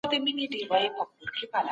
د قرآن پيل سوی ټکی د بشريت لپاره درس دی.